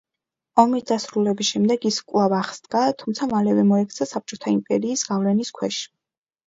ომის დასრულების შემდეგ ის კვლავ აღსდგა, თუმცა მალევე მოექცა საბჭოთა იმპერიის გავლენის ქვეშ.